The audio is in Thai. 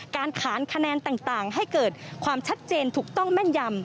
การขานคะแนนต่างให้เกิดความชัดเจนถูกต้องแม่นยำ